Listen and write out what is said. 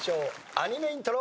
アニメイントロ。